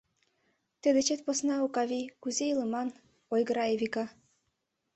Тый дечет посна, Окавий, кузе илыман? — ойгыра Эвика.